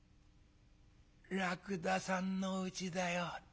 らくださんのうちだよ。